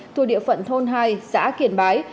thuộc địa phận thôn hai xã kiền bái